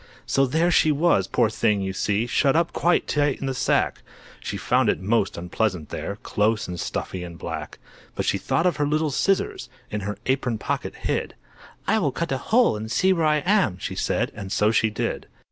So there she was, poor thing, you see, Shut up quite tight in the sack; She found it most unpleasant there, Close and stuffy and black. But she thought of her little scissors, In her apron pocket hid. "I will cut a hole and see where I am," She said. And so she did.